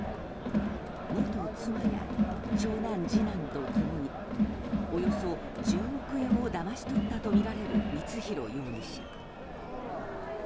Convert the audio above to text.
元妻や長男、次男と共におよそ１０億円をだまし取ったとみられる光弘容疑者。